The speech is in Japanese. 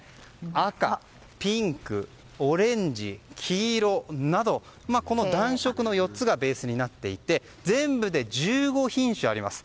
赤、ピンク、オレンジ、黄色など暖色の４つがベースになっていて全部で１５品種あります。